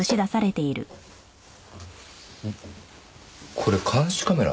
これ監視カメラ。